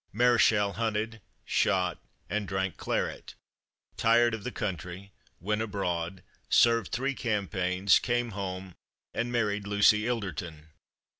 Mareschal hunted, shot, and drank claret tired of the country, went abroad, served three campaigns, came home, and married Lucy Ilderton.